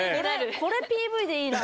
これＰＶでいいな。